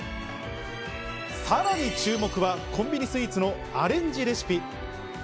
さらに注目はコンビニスイーツのアレンジレシピ。